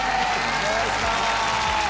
お願いします。